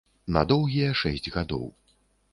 На доўгія шэсць гадоў.